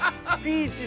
ピーチ！